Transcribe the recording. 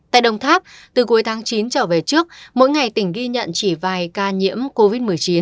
tại đồng tháp từ cuối tháng chín trở về trước mỗi ngày tỉnh ghi nhận chỉ vài ca nhiễm covid một mươi chín